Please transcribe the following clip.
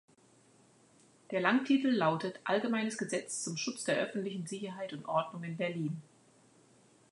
Der Langtitel lautet "Allgemeines Gesetz zum Schutz der öffentlichen Sicherheit und Ordnung in Berlin".